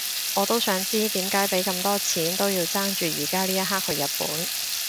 我都想知點解畀咁多錢都要爭住而家呢一刻去日本